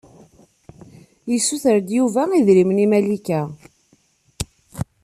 Yssuter-d Yuba idrimen i Malika.